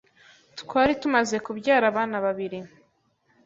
twari tumaze kubyara abana babiri